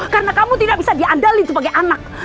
karena kamu tidak bisa diandalkan sebagai anak